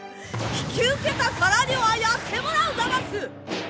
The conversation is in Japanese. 引き受けたからにはやってもらうざます！